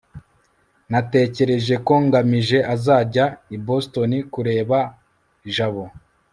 natekereje ko ngamije azajya i boston kureba jabo